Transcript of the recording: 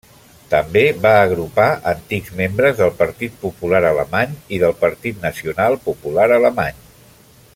També va agrupar antics membres del Partit Popular Alemany i del Partit Nacional-Popular Alemany.